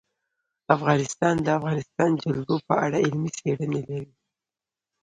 افغانستان د د افغانستان جلکو په اړه علمي څېړنې لري.